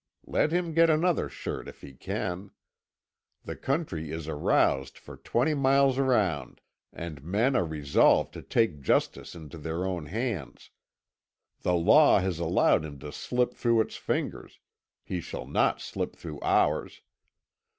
Let him get another shirt if he can. The country is aroused for twenty miles round, and men are resolved to take justice into their own hands. The law has allowed him to slip through its fingers; he shall not slip through ours.